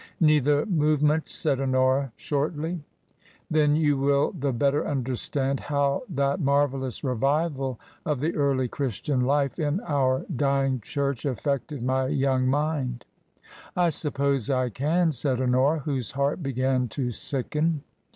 " Neither movement," said Honora, shortly. " Then you will the better understand how that mar vellous revival of the early Christian life in our dying church affected my young mind." "I suppose I can," said Honora, whose heart began to sicken.